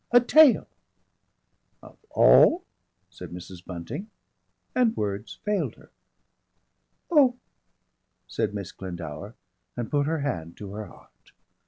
"A tail!" "Of all " said Mrs. Bunting, and words failed her. "Oh!" said Miss Glendower, and put her hand to her heart.